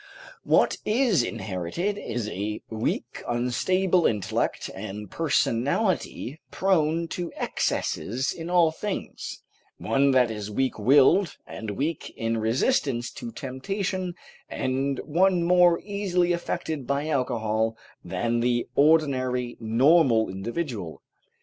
What is inherited is a weak, unstable intellect and personality, prone to excesses in all things, one that is weak willed and weak in resistance to temptation, and one more easily affected by alcohol than the ordinary normal individual.